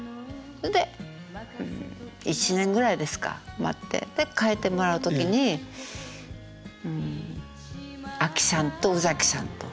それで１年ぐらいですか待って替えてもらう時に阿木さんと宇崎さんと。